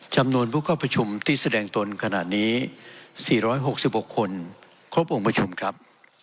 จำนวนผู้ว่าการผู้ชมที่แสดงตนขนาดนี้๔๖๖คนต้องกระจุมครับ